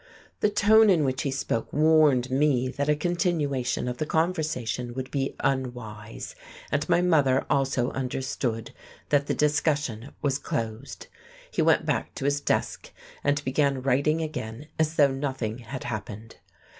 The tone in which he spoke warned me that a continuation of the conversation would be unwise, and my mother also understood that the discussion was closed. He went back to his desk, and began writing again as though nothing had happened.